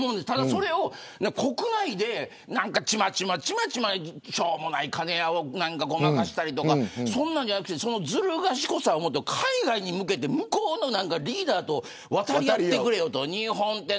それを国内で、ちまちましょうもない金とかごまかしたりそんなんじゃなくてそのずる賢さを海外に向けて向こうのリーダーと渡り合ってくれよって日本って